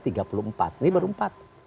ini baru empat